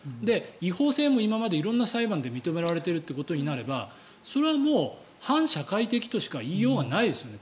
違法性も今まで色んな裁判で認められているということになればそれはもう反社会的としか言いようがないですね。